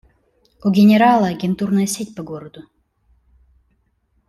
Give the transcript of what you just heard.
У генерала агентурная сеть по городу.